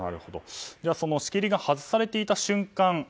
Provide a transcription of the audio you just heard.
その仕切りが外されていた瞬間